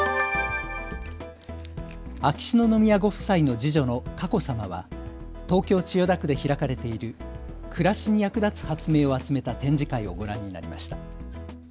秋篠宮ご夫妻の次女の佳子さまは東京千代田区で開かれている暮らしに役立つ発明を集めた展示会をご覧になりました。